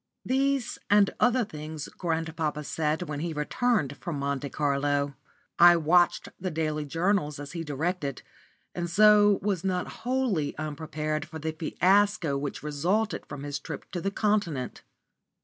These and other things grandpapa said when he returned from Monte Carlo. I watched the daily journals as he directed, and so was not wholly unprepared for the fiasco which resulted from his trip to the Continent.